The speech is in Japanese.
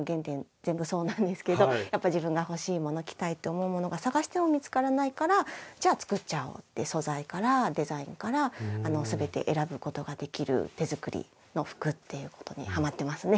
全部そうなんですけどやっぱ自分が欲しいもの着たいと思うものが探しても見つからないからじゃあ作っちゃおうって素材からデザインから全て選ぶことができる手作りの服っていうことにはまってますね。